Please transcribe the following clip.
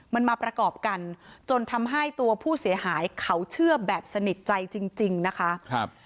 มันมาประกอบกันจนทำให้ตัวผู้เสียหายเขาเชื่อแบบสนิทใจจริงนะคะ